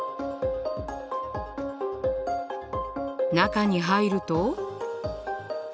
中に入ると。